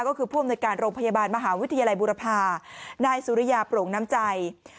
ก็คือผู้อำนวยการโรงพยาบาลมหาวิทยาลัยบุรพานายสุริยาโปร่งน้ำใจ